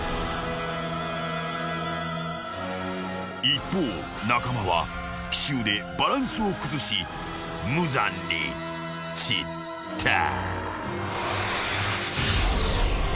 ［一方中間は奇襲でバランスを崩し無残に散った］